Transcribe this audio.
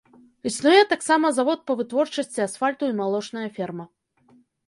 Існуе таксама завод па вытворчасці асфальту і малочная ферма.